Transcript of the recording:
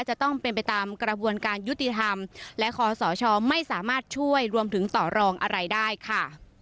จะต้องเป็นไปตามกระบวนการยุติธรรมและคอสชไม่สามารถช่วยรวมถึงต่อรองอะไรได้ค่ะ